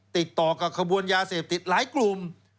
ติดต่อกับขบวนยาเสพติดหลายกลุ่ม